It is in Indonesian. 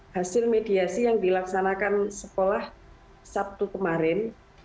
hasil mediasi yang dilaksanakan sekolah sabtu kemarin